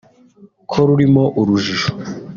ko rurimo urujijo